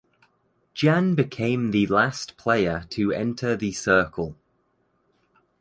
Jan became the last player to enter The Circle.